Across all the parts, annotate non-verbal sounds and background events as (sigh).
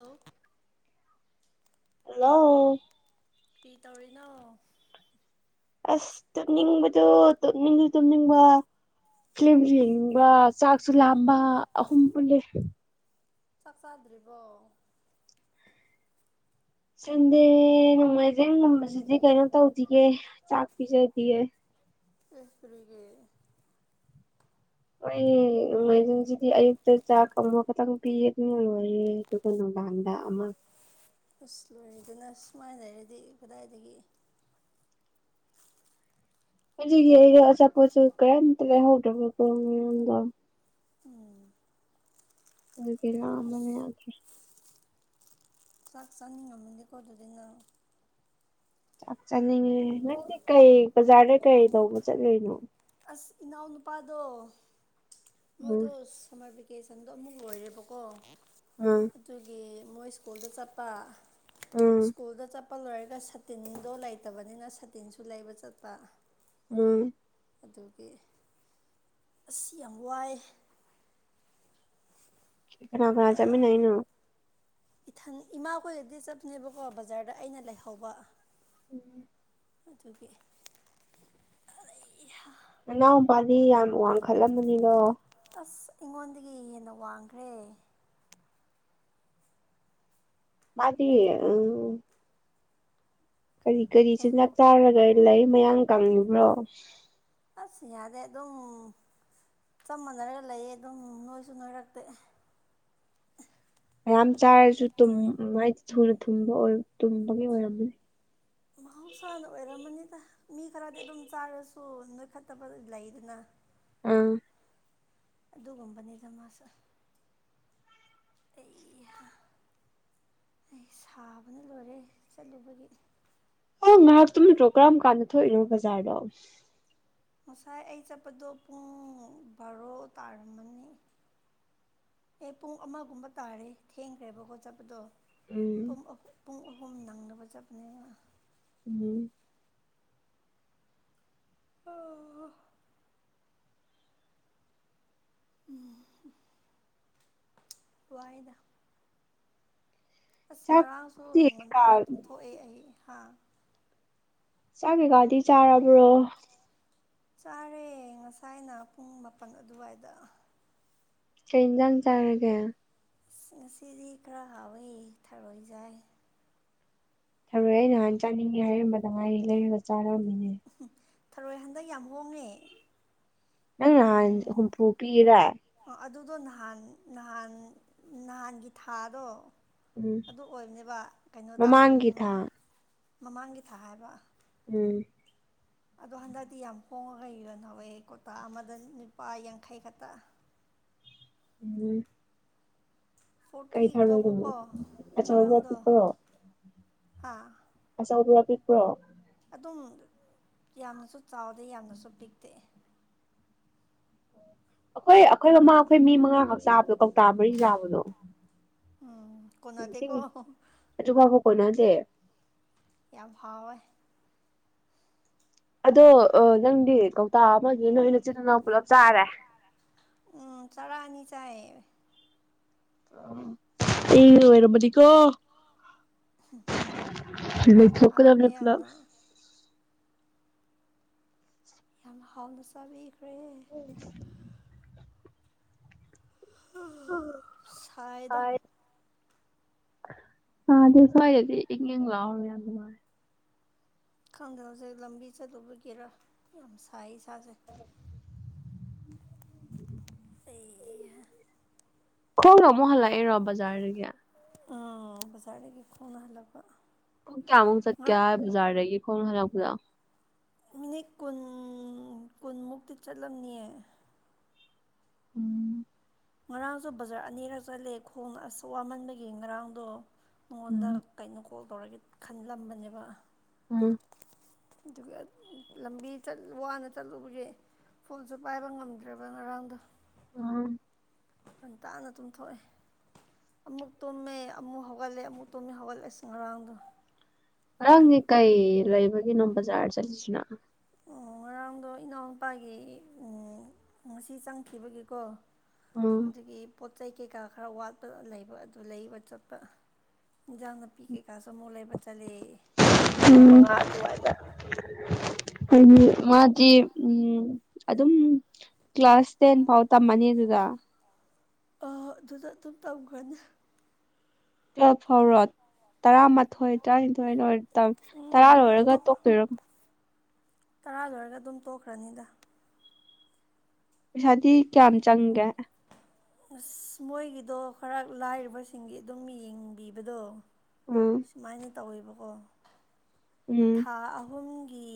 ꯂꯣ hello ꯀ꯭ꯔꯤ ꯇꯧꯔꯤꯅꯣ ꯑꯁ ꯇꯨꯝꯅꯤꯡꯕꯗꯨ ꯇꯨꯝꯅꯤꯡꯖꯨ ꯇꯨꯝꯅꯤꯡꯕ ꯐꯤꯂꯝꯁꯨ ꯌꯦꯡꯕ ꯆꯥꯛꯁꯨ ꯂꯥꯝꯕ ꯑꯍꯨꯝ ꯄꯨꯜꯂꯦ ꯆꯥꯛ ꯆꯥꯗ꯭ꯔꯤꯕꯣ ꯁꯟꯗꯦ ꯅꯣꯡꯃꯥꯏꯖꯤꯡ ꯉꯝꯕꯁꯤꯗꯤ ꯀꯩꯅꯣ ꯇꯧꯗꯤꯌꯦ ꯆꯥꯛ ꯄꯤꯖꯗꯤꯌꯦ ꯏꯁ ꯀꯔꯤꯒꯤ ꯍꯣꯏ ꯃꯥꯏꯖꯟꯁꯤꯗꯤ ꯑꯌꯨꯛꯇ ꯆꯥꯛ ꯑꯃꯈꯛꯇꯪ ꯄꯤꯌꯦ ꯑꯗꯨ ꯑꯣꯏꯌꯦ ꯑꯗꯨꯒ ꯅꯍꯥꯟ ꯗ ꯑꯃ ꯑꯁ ꯂꯣꯏꯔꯤꯗꯨꯅ ꯁꯨꯃꯥꯏꯅ ꯂꯩꯔꯗꯤ ꯀꯗꯥꯏꯗꯒꯤ ꯑꯗꯨꯒꯤ ꯑꯆꯥꯄꯣꯠ ꯇꯣ ꯀꯩꯝꯇ ꯂꯩꯍꯧꯗꯔꯦꯕ ꯀꯣ ꯎꯝ ꯑꯁ (unintelligible) ꯆꯥꯛ ꯆꯥꯅꯤꯡ ꯉꯝꯃꯤꯅꯤꯀꯣ ꯑꯗꯨꯗꯤ ꯅꯪ ꯆꯥꯛ ꯆꯥꯅꯤꯡꯉꯦ ꯅꯪꯗꯤ ꯀꯩ ꯕꯖꯥꯔꯗ ꯀꯩ ꯇꯧꯕ ꯆꯠꯂꯤꯅꯣ ꯑꯁ ꯏꯅꯥꯎ ꯅꯨꯨꯄꯥꯗꯣ ꯎꯝ ꯃꯣꯏꯗꯣ ꯁꯝꯃꯔ ꯕꯤ ꯚꯦꯀꯦꯁꯟꯗꯣ ꯑꯃꯨꯛ ꯂꯣꯏꯔꯦꯕꯀꯣ ꯎꯝ ꯑꯗꯨꯒꯤ ꯃꯣꯏ ꯁ꯭ꯀꯨꯜꯗ ꯆꯠꯄ ꯎꯝ ꯁꯀꯨꯜꯗ ꯆꯠ ꯀꯞꯄ ꯂꯣꯏꯔꯒ ꯁꯇꯤꯟꯗꯣ ꯂꯩꯇꯕꯅꯤꯅ ꯁꯇꯤꯟꯁꯨ ꯂꯩꯕ ꯆꯠꯄ ꯎꯝ ꯑꯗꯨꯒꯤ ꯑꯁ ꯌꯥꯝ ꯋꯥꯏ ꯀꯥꯅꯥ ꯀꯥꯅꯥ ꯆꯠꯃꯤꯟꯅꯔꯤꯅꯣ ꯏꯊꯟ ꯏꯃꯥ ꯀꯣꯏꯒꯗꯤ ꯆꯠꯞꯅꯦꯕꯀꯣ ꯕꯖꯥꯔꯗ ꯑꯩꯅ ꯂꯩꯍꯧꯕ ꯎꯝ ꯑꯗꯨꯒꯤ ꯑꯩ ꯍꯥ ꯅꯅꯥꯎ ꯄꯥꯗꯤ ꯌꯥꯝ ꯋꯥꯡ ꯈꯜꯂꯝ ꯃꯅꯤꯗꯣ ꯑꯁ ꯑꯩꯉꯣꯟꯗꯒꯤ ꯍꯦꯟꯅ ꯋꯥꯡꯈ꯭ꯔꯦ ꯃꯥꯗꯤ ꯎꯝ ꯀꯔꯤ ꯀꯔꯤ ꯑꯦ ꯆꯤꯟꯖꯥꯛ ꯆꯥꯔꯒ ꯂꯩ ꯃꯌꯥ ꯀꯪꯉꯤꯕ꯭ꯔꯣ ꯑꯁ ꯌꯥꯗꯦ ꯑꯗꯨꯝ ꯆꯞ ꯃꯥꯟꯅꯔꯒ ꯂꯩꯌꯦ ꯑꯗꯨꯝ ꯅꯣꯏꯁꯨ ꯅꯣꯏꯔꯛꯇꯦ ꯃꯌꯥꯝ ꯆꯥꯔꯁꯨ ꯃꯥꯏ ꯊꯨꯅꯕ ꯇꯨꯝꯕꯒꯤ ꯑꯣꯏꯔꯝꯅꯦ ꯃꯍꯧꯁꯥꯅ ꯑꯣꯏꯔꯝꯃꯅꯤ ꯃꯤ ꯈꯔꯗꯤ ꯑꯗꯨꯝ ꯆꯥꯔꯁꯨ ꯅꯣꯏꯈꯠꯇꯕ ꯂꯩꯗꯅ ꯎꯝ ꯑꯗꯨꯒꯨꯝꯕꯅꯤꯗ ꯃꯥꯁꯨ ꯑꯩꯍꯥ ꯑꯩ ꯁꯥꯕꯅ ꯂꯣꯏꯔꯦ ꯆꯠꯂꯨꯕꯒꯤ ꯑꯣ ꯉꯥꯏꯍꯥꯛꯇꯨꯝ ꯗ꯭ꯔꯣ ꯀꯔꯝ ꯀꯥꯟꯗ ꯊꯣꯛꯏꯅꯣ ꯕꯖꯥꯔꯗꯣ ꯉꯁꯥꯏ ꯑꯩ ꯆꯠꯄꯗꯣ ꯄꯨꯡ ꯕꯥꯔꯣ ꯇꯥꯔꯝꯃꯅꯤ ꯑꯦ ꯄꯨꯡ ꯑꯃꯒꯨꯝꯕ ꯇꯥꯔꯦ ꯊꯦꯡꯈ꯭ꯔꯦꯕ ꯈꯣꯏ ꯆꯠꯄꯗꯣ ꯎꯝ ꯄꯨꯡ ꯄꯨꯡ ꯑꯍꯨꯝ ꯅꯪꯅꯕ ꯆꯠꯄꯅꯦꯕ ꯎꯝ ꯑꯣꯍꯥ ꯎꯝ ꯋꯥꯏꯗ ꯑꯁ ꯉꯔꯥꯡꯁꯨ ꯆꯥꯛꯇꯤ ꯀꯩꯀꯥ ꯉꯟꯇꯥꯅ ꯇꯨꯝ ꯊꯣꯛꯑꯦ ꯑꯩ ꯍꯥꯥ ꯆꯥꯛ ꯀꯩꯀꯗꯤ ꯆꯥꯔꯕ꯭ꯔꯣ ꯆꯥꯔꯦ ꯉꯁꯥꯏꯅ ꯄꯨꯡ ꯃꯥꯄꯜ ꯑꯗꯨꯋꯥꯏꯗ ꯀꯩ ꯑꯦꯟꯁꯥꯡ ꯆꯥꯔꯒꯦ ꯑꯁ ꯉꯁꯤꯗꯤ ꯈꯔ ꯍꯥꯎꯋꯤ ꯊꯔꯣꯏ ꯆꯥꯏꯌꯦ ꯊꯔꯣꯏ ꯑꯩ ꯅꯍꯥꯟ ꯆꯥꯅꯤꯡꯉꯦ ꯍꯥꯏꯔꯝꯕꯗ ꯉꯥꯏ ꯂꯩꯔꯒ ꯆꯥꯔꯝ ꯊꯔꯣꯏ ꯍꯟꯗꯛ ꯌꯥꯝ ꯍꯣꯡꯉꯦ ꯅꯪ ꯅꯍꯥꯟ ꯍꯨꯝꯐꯨ ꯄꯤꯌꯦꯗꯥꯏ ꯑꯗꯨꯗꯣ ꯅꯍꯥꯟ ꯅꯍꯥꯟ ꯅꯍꯥꯟꯒꯤ ꯊꯥꯗꯣ ꯎꯝ ꯑꯗꯨ ꯑꯣꯏꯕꯅꯦꯕ ꯀꯩꯅꯣꯗ ꯃꯃꯥꯡꯒꯤ ꯊꯥ ꯃꯃꯥꯡꯒꯤ ꯊꯥ ꯍꯥꯏꯕ ꯎꯝ ꯑꯗꯣ ꯍꯟꯗꯛꯇꯤ ꯌꯥꯝ ꯍꯣꯡꯉꯒ ꯏꯔꯣ ꯅ ꯍꯋꯦ ꯀꯣꯇꯥ ꯑꯃꯗ ꯅꯨꯨꯄꯥ ꯌꯥꯡꯈꯩ ꯈꯛꯇ (inaudible) ꯎꯝ ꯀꯩ ꯐꯣꯔꯇꯤꯒꯤ ꯊꯥꯔꯣꯏꯗꯣ ꯂꯧꯕꯀꯣ ꯑꯆꯧꯕ ꯄꯤꯛꯄꯔꯣ ꯑꯥ ꯑꯆꯧꯕꯔꯣ ꯄꯤꯛꯄ꯭ꯔꯣ ꯑꯗꯨꯝ ꯌꯥꯝꯅꯁꯨ ꯆꯥꯎꯗꯦ ꯌꯥꯝꯅꯁꯨ ꯄꯤꯛꯇꯦ ꯑꯩꯈꯣꯏ ꯑꯩꯈꯣꯏ ꯃꯃꯥ ꯑꯩꯈꯣꯏ ꯃꯤ ꯃꯉꯥꯈꯛ ꯆꯥꯕꯗꯣ ꯀꯣꯛꯇꯥ ꯃꯔꯤ ꯆꯥꯕꯗꯣ ꯀꯣꯅꯥꯗꯦ ꯀꯣ ꯀꯣꯅꯗꯦ ꯌꯥꯝ ꯍꯥꯎꯋꯦ ꯑꯗꯣ ꯅꯪꯗꯤ ꯀꯧꯇꯥ ꯑꯃꯒꯤ ꯅꯣꯏ ꯅꯆꯤꯜꯅꯅꯥꯎ ꯄꯨꯂꯞ ꯆꯥꯔꯦ ꯎꯝ ꯆꯔ ꯑꯅꯤ ꯆꯥꯏꯌꯦ ꯑꯩ ꯂꯣꯏꯔꯕꯅꯤꯀꯣ ꯂꯩ ꯍꯥꯎꯋꯦ ꯊꯣꯛꯀꯗꯕꯅꯦ ꯄꯨꯂꯞ ꯌꯥꯝꯅ ꯌꯥꯝ ꯍꯥꯎꯅ ꯆꯕꯤ ꯁꯥꯏꯌꯦꯗ ꯍꯣꯏ ꯁꯥꯗꯦ ꯁꯥꯏꯗꯗꯤ ꯏꯡ ꯏꯡ ꯂꯥꯎꯋꯦ ꯌꯥꯝ ꯅꯨꯡꯉꯥꯏ ꯈꯪꯗꯦ ꯍꯧꯖꯤ ꯂꯝꯕꯤ ꯆꯠꯂꯨꯕꯒꯤꯔꯥ ꯌꯥꯝ ꯁꯥꯏ ꯏꯁꯥꯁꯦ ꯑꯩ ꯈꯣꯡꯅ ꯑꯃꯨꯛ ꯍꯜꯂꯛꯏꯔꯣ ꯕꯖꯥꯔꯗꯒꯤ ꯑꯥ ꯕꯖꯥꯔꯗꯒꯤ ꯈꯣꯡꯅ ꯍꯜꯂꯥꯛꯄ ꯄꯨꯡ ꯀꯌꯥꯃꯨꯛ ꯆꯠꯀꯦ ꯕꯖꯥꯔꯗꯒꯤ ꯈꯣꯡꯅ ꯍꯜꯂꯛꯄꯗꯣ ꯃꯤꯅꯤꯠ ꯀꯨꯟ ꯀꯨꯟꯃꯨꯛꯇꯤ ꯆꯠꯂꯝꯅꯤꯑꯦ ꯎꯝ ꯉꯔꯥꯡꯁꯨ ꯕꯖꯥꯔ ꯑꯅꯤꯔꯛ ꯆꯠꯂꯦ ꯈꯣꯡꯅ ꯑꯁ ꯋꯥꯃꯟꯕꯒꯤ ꯉꯔꯥꯡꯗꯣ ꯃꯉꯣꯟꯗ ꯎꯝ ꯀꯩꯅꯣ ꯀꯣꯜ ꯇꯧꯔꯒꯦ ꯈꯟꯂꯝꯕꯅꯦꯕ ꯎꯝ ꯑꯗꯨꯒ ꯂꯝꯕꯤ ꯋꯥꯅ ꯆꯠꯂꯨꯕꯒꯤ ꯐꯨꯜꯁꯨ ꯄꯥꯏꯕ ꯉꯝꯗ꯭ꯔꯦꯕ ꯉꯔꯥꯡꯗꯣ ꯑꯝ ꯉꯟ ꯇꯥꯅ ꯇꯨꯝꯊꯣꯛꯑꯦ ꯑꯃꯨꯛ ꯇꯨꯝꯃꯦ ꯑꯃꯨꯛ ꯍꯧꯒꯠꯂꯦ ꯑꯃꯨꯛ ꯇꯨꯝꯃꯦ ꯍꯧꯒꯠꯂꯦ ꯑꯁ ꯉꯔꯥꯡꯗꯣ ꯅꯪꯒꯤ ꯀꯩ ꯂꯩꯕꯒꯤꯅꯣ ꯕꯖꯥꯔ ꯆꯠꯂꯤꯁꯤꯅ ꯑꯣ ꯉꯔꯥꯡꯗꯣ ꯏꯅꯥꯎꯅꯨꯄꯥꯒꯤ ꯉꯁꯤ ꯆꯪꯈꯤꯕꯒꯤꯀꯣ ꯎꯝ ꯗꯨꯒꯤ ꯄꯣꯠ ꯄꯣꯠ ꯆꯩ ꯀꯩꯀꯥ ꯈꯔ ꯋꯥꯠꯄꯅ ꯂꯩꯕ ꯑꯗꯨ ꯂꯩꯕ ꯆꯠꯄ ꯏꯟꯖꯥꯡ ꯅꯥꯄꯤ ꯀꯩ ꯀꯩꯀꯥꯁꯨ ꯑꯃꯨꯛ ꯂꯩꯕ ꯆꯠꯂꯤ ꯄꯨꯡ ꯃꯉꯥ ꯎꯝ ꯑꯗꯨꯋꯥꯏꯗ ꯍꯥꯏꯗꯤ ꯃꯥꯗꯤ ꯎꯝ ꯑꯗꯨꯝ ꯀ꯭ꯂꯥꯁ ꯇꯦꯟ ꯐꯥꯎ ꯇꯝꯃꯅꯤ ꯑꯗꯨꯗ ꯑ ꯑꯥ ꯑꯗꯨꯗ ꯑꯗꯨꯝ ꯇꯧꯈ꯭ꯔꯥꯅꯤ ꯇ꯭ꯋꯦꯜꯚ ꯐꯥꯎꯔꯣ ꯇꯔꯥ ꯃꯠ ꯍꯣꯏ ꯇꯔꯥꯅꯤꯊꯣꯏ ꯂꯣꯏꯔ ꯇꯔꯥ ꯎꯝ ꯑꯗꯨ ꯂꯣꯏꯔꯒ ꯇꯣꯛꯇꯣꯏꯔ ꯇꯔꯥ ꯂꯣꯏꯔꯒ ꯑꯗꯨꯝ ꯇꯣꯛꯈ꯭ꯔꯅꯤꯗ ꯄꯩꯁꯥꯗꯤ ꯀꯌꯥꯝ ꯆꯪꯒꯦ ꯑꯥꯁ ꯃꯣꯏꯒꯤꯗꯣ ꯈꯔ ꯂꯥꯏꯔꯕꯁꯤꯡꯒꯤ ꯑꯗꯨꯝ ꯌꯦꯡꯕꯤꯕꯗꯣ ꯎꯝ ꯁꯨꯃꯥꯏꯅ ꯇꯧꯋꯦꯕꯀꯣ ꯎꯝ ꯊꯥ ꯑꯍꯨꯝ ꯒꯤ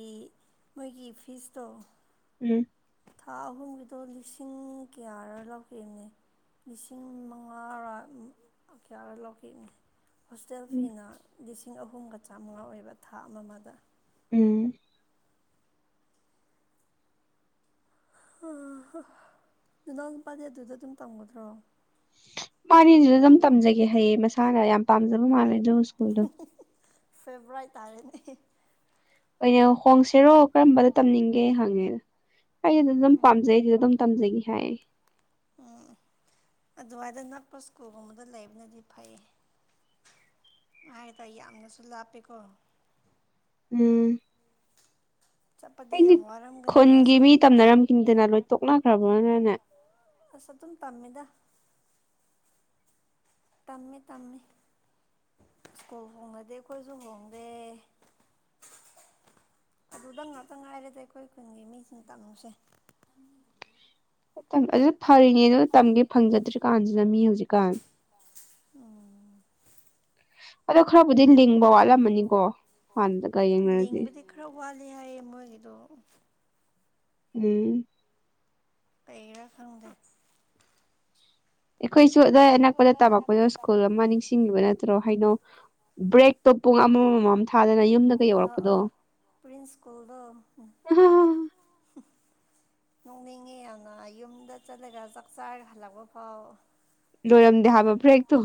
ꯃꯣꯏꯒꯤ ꯐꯤꯁꯇꯣ ꯎꯝ ꯊꯥ ꯑꯍꯨꯝꯒꯤꯗꯣ ꯂꯤꯁꯤꯡ ꯀꯌꯥꯔ ꯂꯧꯥꯈꯤꯕꯅꯦ ꯂꯤꯁꯤꯡ ꯃꯉꯥꯔ ꯀꯌꯥꯔ ꯂꯧꯈꯤꯕꯅꯤ ꯍꯣꯁꯇꯦꯜ ꯎꯝ ꯐꯤꯅ ꯂꯤꯁꯤꯡ ꯑꯍꯨꯝꯒ ꯆꯥꯝꯃꯉꯥ ꯑꯣꯏꯕ ꯊꯥ ꯑꯃ ꯑꯃꯗ ꯎꯝ ꯍꯪꯍꯥ ꯅꯅꯥꯎ ꯅꯨꯄꯥꯗꯤ ꯑꯗꯨꯗ ꯑꯗꯨꯝ ꯇꯝꯒꯗ꯭ꯔꯣ ꯃꯥꯗꯤ ꯑꯗꯨꯗ ꯑꯗꯨꯝ ꯇꯝꯖꯒꯦ ꯍꯥꯏꯌꯦ ꯃꯁꯥꯅ ꯌꯥꯝ ꯄꯥꯝꯖꯕ ꯃꯥꯜꯂꯦ ꯑꯗꯨ ꯁ꯭ꯀꯨꯜꯗꯣ ꯐꯦꯕ꯭ꯔꯥꯏꯠ ꯇꯥꯔꯦꯅꯦ ꯑꯩꯅ ꯍꯣꯡꯁꯤꯔꯣ ꯀꯔꯝꯕꯗ ꯇꯝꯅꯤꯡꯒꯦ ꯍꯪꯉꯦꯕ ꯑꯩ ꯑꯗꯨꯗ ꯑꯗꯨꯝ ꯄꯥꯝꯖꯩ ꯑꯗꯨꯗ ꯑꯗꯨꯝ ꯇꯝꯖꯒꯦ ꯍꯥꯏ ꯎꯝ ꯑꯗꯨꯋꯥꯏꯗ ꯅꯛꯄ ꯁ꯭ꯀꯨꯜꯒꯨꯝꯕꯗ ꯂꯩꯕꯅꯗꯤ ꯐꯩꯌꯦ ꯍꯥꯏ ꯇꯥꯏ ꯌꯥꯝꯅꯁꯨ ꯂꯥꯞꯄꯦꯀꯣ ꯎꯪꯎꯪ ꯆꯠꯄꯗꯤ ꯌꯥꯝ ꯋꯥꯔꯝꯒꯅꯤ ꯈꯨꯟꯒꯤ ꯃꯥꯁꯨ ꯃꯤ ꯇꯝꯅꯔꯝꯈꯤꯅꯤꯗꯅ ꯂꯣꯏ ꯇꯣꯛꯅꯈ꯭ꯔꯕ꯭ꯔꯅꯅꯦ ꯑꯥꯁ ꯑꯗꯨꯝ ꯇꯝꯃꯤꯗ ꯇꯝꯃꯤ- ꯇꯝꯃꯤ ꯁ꯭ꯀꯨꯜ ꯍꯣꯡꯉꯗꯤ ꯑꯩꯈꯣꯏꯖꯨ ꯍꯣꯡꯗꯦ ꯑꯗꯨꯗ ꯉꯥꯛꯇ- ꯉꯥꯏꯔꯦꯗ ꯑꯩꯈꯣꯏ ꯈꯨꯟꯒꯤ ꯃꯤꯁꯤꯡꯅ ꯇꯝꯃꯤꯁꯦ ꯑꯗꯨꯗ ꯐꯔꯤꯅꯦ ꯑꯗꯨ ꯇꯝꯒꯦ ꯐꯪꯖꯗ꯭ꯔꯤ ꯀꯥꯟꯖꯤꯗ ꯃꯤ ꯍꯧꯖꯤꯛꯀꯥꯟ INAUDIBLE ꯑꯗꯣ ꯈꯔꯕꯨꯗꯤ ꯂꯤꯡꯕ ꯋꯥꯠꯂꯝꯃꯅꯤꯀꯣ ꯍꯥꯟꯅꯒ ꯌꯦꯡꯅꯔꯗꯤ ꯌꯥꯏꯌꯦ ꯃꯣꯏꯒꯤꯗꯣ ꯎꯝ ꯀꯩꯔꯥ ꯈꯪꯗꯦ ꯑꯩꯈꯣꯏꯁꯨ ꯑꯗꯨꯋꯥꯏ ꯑꯅꯛꯄꯗ ꯇꯝꯃꯛꯄꯗꯣ ꯁ꯭ꯀꯨꯜ ꯑꯃ ꯅꯤꯡꯁꯤꯡꯢꯕ ꯅꯠꯇ꯭ꯔꯣ ꯍꯥꯏꯅꯣ ꯕ꯭ꯔꯦꯛꯇꯣ ꯄꯨꯡ ꯑꯃꯝ ꯑꯃꯝ ꯊꯥꯗꯅ ꯌꯨꯝꯗ ꯑꯥ ꯌꯧꯔꯛꯄꯗꯣ ꯑꯥ ꯄ꯭ꯔꯤꯟꯁ ꯁ꯭ꯀꯨꯜꯗꯣ ꯅꯣꯛꯅꯤꯡꯉꯦ ꯌꯥꯝꯅ ꯌꯨꯝꯗ ꯆꯠꯂꯒ ꯆꯥꯛ ꯆꯥꯔ ꯍꯜꯂꯛꯄ ꯐꯥꯎ ꯂꯣꯏꯔꯝꯗꯦ ꯍꯥꯏꯕ ꯕ꯭ꯔꯦꯛꯇꯣ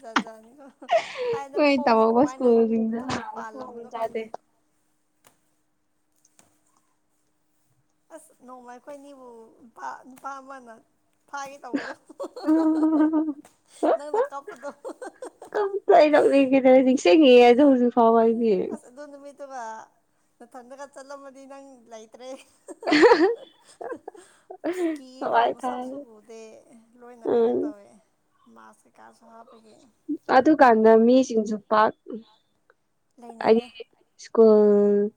ꯖꯥꯠꯖꯥꯠꯅꯤꯀꯣ ꯊꯥꯏꯅ ꯑꯩꯈꯣꯏ ꯈꯣꯡꯖꯦ ꯇꯝꯃꯛꯄ ꯀꯃꯥꯏꯅ ꯁ꯭ꯀꯨꯜꯁꯤꯡꯗ ꯃꯊꯣꯡ ꯄꯥꯜꯂꯝꯕꯅꯣ ꯈꯪꯗꯦ ꯆꯥꯗꯦ INAUDIBLE ꯑꯥꯁ ꯅꯣꯡꯃ ꯑꯩꯈꯣꯏꯅꯤꯕꯨ ꯅꯨꯄꯥ ꯅꯨꯄꯥ ꯑꯃꯅ ꯐꯥꯒꯦ ꯇꯧꯕꯗꯣ ꯅꯪꯅ ꯀꯞꯄꯗꯣ ꯀꯔꯤꯒꯤꯔꯥ ꯅꯤꯁꯤꯡꯉꯤꯌꯦ ꯑꯗꯨ ꯍꯋꯥꯏꯗꯤ ꯑꯗꯨꯒ ꯅꯊꯟꯗꯒ ꯆꯠꯂꯝꯃꯗꯤ ꯅꯪ ꯂꯩꯇ꯭ꯔꯦ ꯀꯤꯌꯦꯀꯣ ꯍꯋꯥꯏ ꯃꯁꯛꯁꯨ ꯊꯔꯦ ꯎꯗꯦ ꯂꯣꯏꯅ ꯀꯩꯅꯣ ꯎꯝ ꯇꯧꯋꯦ ꯃꯥꯛꯁ ꯀꯩ ꯀꯥꯁꯨ ꯍꯥꯞꯄꯤ ꯑꯗꯨꯀꯥꯟꯗ ꯃꯤꯁꯤꯡꯁꯨ ꯄꯥꯛ ꯂꯩꯅꯗꯦ ꯑꯩꯒꯤ ꯁ꯭ꯀꯨꯜ ꯎꯝ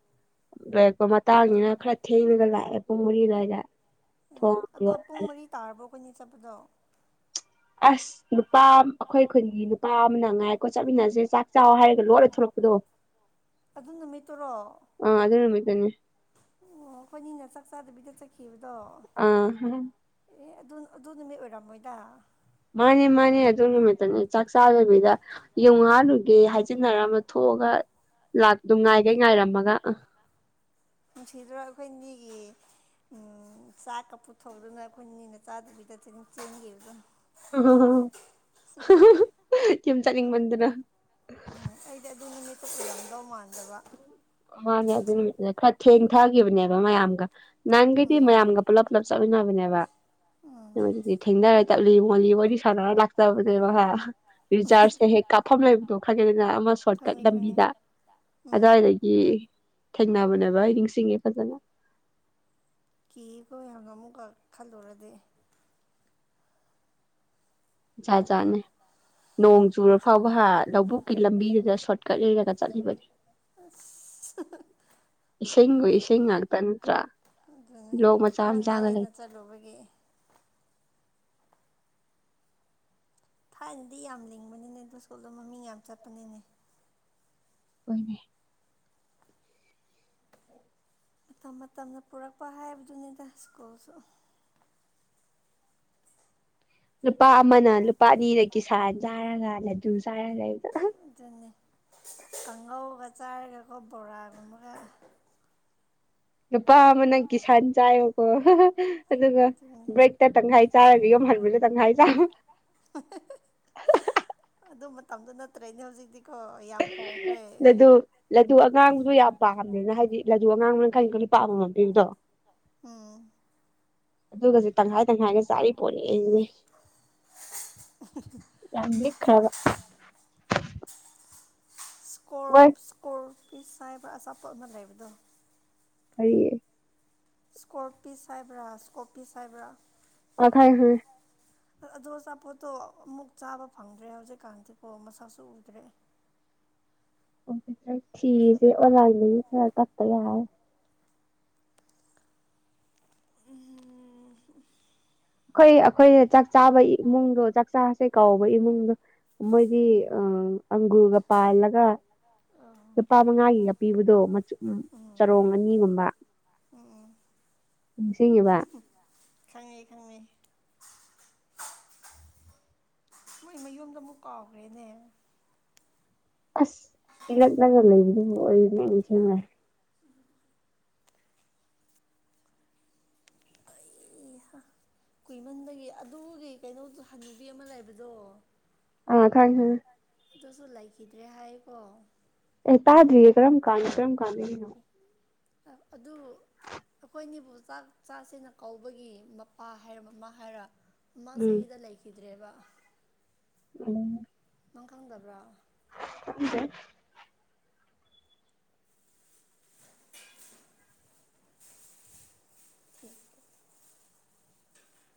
ꯂꯩꯔꯛꯄ ꯃꯇꯥꯡꯅꯤꯅ ꯈꯔ ꯊꯦꯡꯉꯒ ꯂꯥꯛꯑꯦ ꯄꯨꯡ ꯃꯔꯤ ꯑꯗꯨꯋꯥꯏꯗ ꯎꯝ ꯊꯣꯡ ꯑꯗꯣ ꯂꯣꯜꯂꯦ ꯄꯨꯡ ꯃꯔꯤ ꯇꯥꯔꯕ꯭ꯔꯣ ꯑꯩꯈꯣꯏꯅꯤ ꯆꯠꯄꯗꯣ ꯑꯁ ꯅꯨꯄꯥ ꯑꯩꯈꯣꯏ ꯈꯨꯟꯒꯤ ꯅꯨꯄꯥ ꯑꯃꯅ ꯉꯥꯏꯀꯣ ꯆꯠꯃꯤꯟꯅꯁꯦ ꯆꯥꯛ ꯆꯥꯎ ꯍꯥꯏꯔꯒ ꯂꯣꯏꯔ ꯊꯂꯛꯄ ꯄꯗꯣ ꯑꯗꯨ ꯅꯨꯃꯤꯠꯇꯨꯔꯣ ꯑꯗꯨ ꯅꯨꯃꯤꯠꯇꯅꯦ ꯑꯣ ꯑꯩꯈꯣꯏꯅꯤꯅ ꯆꯥꯛ ꯆꯥꯗꯕꯤꯗꯠ ꯆꯠꯈꯤꯕ ꯑꯤ ꯍꯥꯍꯥ ꯑꯦ ꯑꯗꯨ ꯑꯗꯨ ꯅꯨꯃꯤꯠ ꯑꯣꯏꯔꯝꯃꯣꯏꯗ ꯃꯅꯦ ꯃꯅꯦ ꯑꯗꯨ ꯅꯃꯤꯠꯇꯅꯦ ꯆꯥꯀ ꯆꯥꯗꯕꯤꯗ ꯌꯨꯡ ꯍꯥꯜꯂꯨꯒꯦ ꯒꯦ ꯍꯥꯏꯖꯤꯟꯅꯔꯝꯃ ꯊꯣꯛꯑꯒ ꯂꯥꯛꯇꯨ ꯉꯥꯏꯈꯩ ꯉꯥꯏꯔꯝꯃꯒ ꯑꯥ ꯅꯨꯨꯡꯁꯤꯗ꯭ꯔ ꯑꯩꯈꯣꯏ ꯅꯤꯒꯤ ꯎꯝ ꯆꯥꯛꯀ ꯄꯨꯊꯣꯛꯗꯨꯅ ꯑꯩꯈꯣꯏꯅꯤꯅ ꯆꯥꯗꯕꯤꯗ ꯆꯦꯟꯈꯤꯕꯗꯣ ꯍꯦꯍꯦ ꯍꯤꯍꯤꯍꯤ ꯌꯨꯝ ꯆꯠꯅꯤꯡꯃꯟꯗꯅ ꯎꯝ ꯑꯩꯗꯤ ꯑꯗꯨ ꯅꯨꯃꯤꯠꯇꯨ ꯀꯨꯏꯔꯝꯗꯧ ꯃꯥꯟꯗꯕ ꯃꯥꯅꯦ ꯑꯗꯨ ꯅꯨꯃꯤꯠ ꯈꯔ ꯊꯦꯡꯊꯥꯈꯤꯕꯅꯦꯕ ꯃꯌꯥꯝꯒ ꯅꯪꯒꯤꯗꯤ ꯃꯌꯥꯝꯒ ꯄꯨꯂꯞ ꯄꯨꯂꯞ ꯆꯠꯂ ꯁꯅꯕꯅꯦꯕ ꯎꯝ ꯑꯗꯨꯗꯤ ꯊꯦꯡꯅꯔ ꯆꯠꯂꯤ ꯃꯣꯜꯂꯤ ꯃꯣꯏꯗꯤ ꯋꯥꯔꯤ ꯁꯥꯟꯅꯔ ꯂꯥꯛꯆꯕꯅꯦꯕ ꯔꯤꯆꯥꯥꯔꯖꯁꯦ ꯍꯦꯛ ꯀꯥꯞꯐꯝ ꯂꯩꯕꯗꯣ ꯈꯪꯒꯦꯗ ꯅ ꯑꯃ ꯁꯣꯔꯠꯀꯠ ꯈꯪꯉꯤ ꯈꯪꯉꯤ ꯂꯝꯕꯤꯗ ꯎꯝ ꯑꯗꯨꯋꯥꯏꯗꯒꯤ ꯊꯦꯡꯅꯕꯅꯦꯕ ꯑꯩ ꯅꯤꯡꯁꯤꯡꯉꯦ ꯐꯖꯅ ꯀꯤ ꯀꯣ ꯑꯃꯨꯛꯀ ꯈꯜꯂꯨꯔꯗꯤ ꯖꯥꯖꯥꯠꯅꯦ ꯅꯣꯡ ꯆꯨꯔ ꯑꯁ ꯐꯥꯎꯕ ꯍꯥ ꯂꯧꯕꯨꯛꯀꯤ ꯂꯝꯕꯤꯗꯨꯗ ꯁꯣꯠ ꯀꯛꯏꯗꯒ ꯆꯠꯂꯤꯕꯅꯤ ꯑꯁ ꯍꯥꯍꯥ ꯁꯦꯡ ꯑꯣꯏ ꯏꯁꯤꯡ ꯉꯥꯛꯇ ꯅꯠꯇ꯭ꯔꯥ ꯑꯗꯨꯅꯤ ꯂꯣꯛ ꯃꯆꯥ ꯈꯔ ꯃꯆꯥꯒ ꯅꯛꯑꯦꯅ ꯂꯩ ꯆꯠꯂꯨꯕꯒꯤ ꯊꯥꯏꯅꯗꯤ ꯌꯥꯝ ꯂꯤꯡꯕꯅꯤꯅꯦ ꯑꯗꯨ ꯁꯀꯨꯜꯗꯣ ꯃꯃꯤꯡ ꯌꯥꯝ ꯆꯠꯄꯅꯤꯅꯦ ꯍꯣꯢꯅꯦ ꯃꯇꯝ ꯃꯇꯝꯅ ꯄꯨꯔꯛꯄ ꯍꯥꯏꯕꯗꯨꯅꯤꯗ ꯁ꯭ꯀꯨꯜꯁꯨ ꯂꯨꯄꯥ ꯑꯃꯅ ꯂꯨꯄꯥ ꯑꯅꯤꯗ ꯀꯤꯁꯥꯥꯟ ꯆꯥꯔꯒ ꯂꯗꯨ ꯆꯥꯔ ꯂꯩꯕꯗꯣ ꯑꯗꯨꯅꯦ ꯀꯪꯒꯧꯒ ꯆꯥꯔꯒꯀꯣ ꯕꯣꯔꯥꯒꯨꯝꯕꯒ ꯅꯨꯄꯥ ꯑꯃ ꯅꯪ ꯀꯤꯁꯥꯟ ꯆꯥꯏꯕꯀꯣ ꯍꯥꯍꯥꯍꯥ ꯑꯗꯨꯒ ꯑꯗꯨꯅꯦ ꯕ꯭ꯔꯦꯛꯇ ꯇꯪꯈꯥꯏ ꯆꯥꯔꯒ ꯌꯣꯝ ꯍꯟꯕ ꯇꯪꯈꯥꯏ ꯆꯥꯕ (unintelligible) ꯃꯇꯝꯗꯨ ꯅꯠꯇ꯭ꯔꯦꯅꯦ ꯍꯧꯖꯤꯛꯇꯤ ꯂꯗꯨ ꯂꯗꯨ ꯑꯉꯥꯡꯗꯨ ꯌꯥꯝ ꯄꯥꯝꯃꯦꯅ ꯍꯥꯏꯗꯤ ꯂꯗꯨ ꯑꯉꯥꯡ ꯀꯩ ꯀꯔꯤ ꯂꯨꯄꯥ ꯑꯃꯃꯝ ꯄꯤꯕꯗꯣ ꯎꯝ ꯑꯗꯨꯒꯁꯦ ꯇꯪꯈꯥꯏ ꯇꯪꯈꯥꯢꯒ ꯆꯥꯔꯤ ꯄꯣꯠꯅꯤ ꯑꯩꯅꯩ ꯌꯥꯝ ꯂꯤꯛ ꯈꯔꯕ ꯏꯁ ꯁꯀꯣꯔꯞ ꯏꯁꯀꯣꯔꯄꯤꯁ ꯍꯥꯏꯕ ꯑꯆꯥꯄꯣꯠ ꯑꯃ ꯂꯩꯕꯗꯣ ꯀꯔꯤ ꯌꯦ ꯏꯁꯀꯣꯔꯄꯤꯁ ꯍꯥꯏꯕ꯭ꯔꯥ ꯏꯁꯀꯣꯞꯄꯤꯌꯁ ꯍꯥꯏꯕ꯭ꯔꯥ ꯑ ꯈꯪꯑꯦ ꯈꯪꯑꯦ ꯑꯗꯣ ꯑꯆꯥꯄꯣꯠꯇꯣ ꯑꯃꯨꯛ ꯆꯥꯕ ꯐꯪꯗ꯭ꯔꯦ ꯍꯧꯖꯤꯛꯀꯥꯟꯗꯤꯀꯣ ꯃꯁꯛꯁꯨ ꯎꯗ꯭ꯔꯦ (inaudible) ꯊꯤꯔꯤꯁꯦ ꯑꯣꯂꯥꯢꯟꯗꯩ ꯈꯔ ꯀꯛꯇ ꯌꯥꯔꯔꯣꯢ ꯎꯝ ꯑꯩꯈꯣꯏ ꯑꯩꯈꯣꯏ ꯆꯥꯛ ꯆꯥꯕ ꯏꯃꯨꯡꯗꯣ ꯆꯥꯛꯆꯥꯥꯔꯥꯁꯦ ꯀꯥꯎꯕ ꯏꯃꯨꯡꯗꯣ ꯃꯣꯢꯗꯤ ꯑ ꯑꯡꯒꯨꯔꯒ ꯄꯥꯜꯂꯒ ꯑꯥ ꯂꯨꯄꯥ ꯃꯉꯥꯒꯤꯒ ꯄꯤꯕꯗꯣ ꯃꯆꯨ ꯎꯝ ꯆꯔꯣꯡ ꯑꯅꯤꯒꯨꯝꯕ ꯎꯝ ꯅꯤꯡꯁꯤꯡꯉꯤꯕ ꯈꯪꯉꯦ ꯈꯪꯉꯦ ꯃꯣꯏ ꯃꯌꯨꯝꯗꯣ ꯑꯃꯨꯛ ꯀꯥꯎꯈ꯭ꯔꯦꯅꯦ ꯑꯁ ꯏꯂꯛ ꯂꯛꯅ ꯂꯩꯕꯗꯨꯕꯨ ꯑꯩꯗꯤ ꯅꯤꯡꯁꯤꯡ ꯉꯦ ꯑꯩꯍꯥ ꯀꯨꯏꯃꯟꯕꯒꯤ ꯑꯗꯨꯒꯤ ꯀꯩꯅꯣꯗꯨ ꯍꯅꯨꯕꯤ ꯑꯃ ꯂꯩꯕꯗꯣ ꯑ ꯈꯪꯉꯦ ꯇꯪꯉꯦ ꯑꯗꯨꯁꯨ ꯂꯩꯈꯤꯗ꯭ꯔꯦ ꯍꯥꯏꯀꯣ ꯑꯦ ꯇꯥꯗꯔꯤꯌꯦ ꯀꯔꯝ ꯀꯥꯥꯟ ꯀꯔꯝ ꯀꯥꯟꯗꯒꯤꯅꯣ ꯑ ꯑꯗꯨ ꯑꯩꯈꯣꯌ ꯅꯤꯕꯨ ꯆꯥꯛ ꯆꯥꯁꯤꯅ ꯀꯧꯕꯒꯤ ꯃꯄꯥ ꯍꯥꯏꯔ ꯃꯃꯥ ꯍꯥꯏꯔ ꯃ ꯎꯝ ꯖꯤꯔꯤ ꯗ ꯂꯩꯈꯤ (unintelligible) ꯎꯝ ꯅꯪ ꯈꯪꯗꯕ꯭ꯔꯥ ꯈꯪꯗꯦ (unintelligible)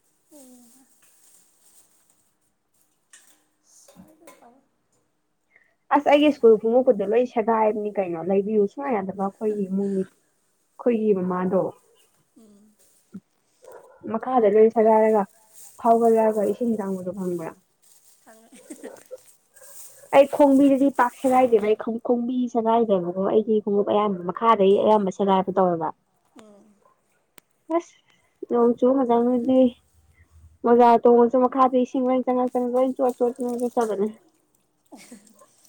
(unintelligible) (unintelligible) ꯑꯁ ꯑꯩꯒꯤ ꯁ꯭ꯀꯨꯜ ꯈꯣꯡꯃꯨꯛꯀꯗꯣ ꯂꯣꯏ ꯁꯦꯒꯥꯏꯕꯅꯤ ꯀꯩꯅꯣ ꯂꯩꯕꯤꯌꯨ ꯁꯨꯡ ꯌꯥꯗꯕ ꯑꯩꯈꯣꯏꯒꯤ ꯏꯃꯨꯡꯅꯤ ꯑꯩꯈꯣꯏꯒꯤ ꯃꯃꯥꯗꯣ (unintelligible) ꯃꯈꯥꯗ ꯈꯣꯡꯒꯨꯞ ꯂꯣꯏ ꯃꯇꯣꯟ ꯁꯥꯒꯥꯏꯔꯒ ꯐꯥꯎꯒꯂꯒ ꯏꯁꯤꯡ ꯆꯥꯡꯕꯗꯣ ꯈꯪꯕ꯭ꯔꯥ ꯈꯪꯉꯦ ꯑꯩ ꯈꯣꯡꯕꯤꯗꯗꯤ ꯄꯥꯛ ꯁꯦꯒꯥꯏꯗꯦꯕ ꯑꯩ ꯈꯣꯡꯕꯤ ꯁꯦꯒꯥꯏꯗꯦꯕꯀ ꯑꯩꯗꯤ ꯈꯣꯡꯎꯞ ꯑꯌꯥꯝꯕ ꯃꯈꯥꯗꯩ ꯑꯌꯥꯝꯕ ꯁꯦꯒꯥꯏꯕ ꯇꯧꯑꯦꯕ ꯎꯝ ꯑꯁ ꯅꯣꯡ ꯆꯨ ꯃꯇꯝꯗꯗꯤ (unintelligible) (unintelligible)